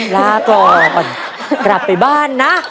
ลาต่อรับไปบ้านนะ